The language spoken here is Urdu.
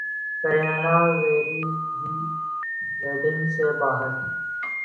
کرینہ ویرے دی ویڈنگ سے باہر